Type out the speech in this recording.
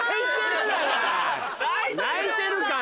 泣いてるから！